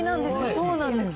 そうなんです。